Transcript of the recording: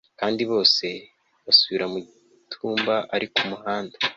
Kandi bose basubira mu itumba ariko umuhanda